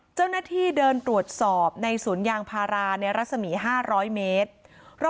เจ้าหน้าที่เดินตรวจสอบในสวนยางพาราในรัศมี๕๐๐เมตร